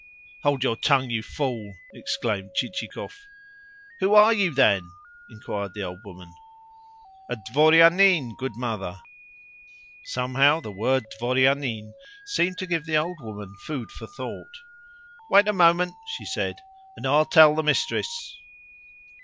"Hold your tongue, you fool!" exclaimed Chichikov. "Who ARE you, then?" inquired the old woman. "A dvorianin , good mother." Somehow the word dvorianin seemed to give the old woman food for thought. "Wait a moment," she said, "and I will tell the mistress."